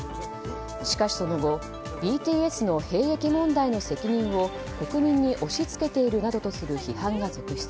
しかし、その後ＢＴＳの兵役問題の責任を国民に押し付けているなどとする批判が続出。